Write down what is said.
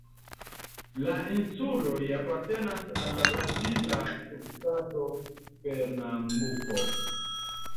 La insuloj apartenas al la brazila subŝtato Pernambuko.